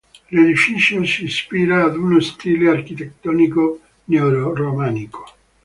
L'edificio si ispira ad uno stile architettonico neoromanico.